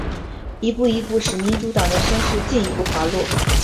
一切一切使民主党的声势进一步滑落。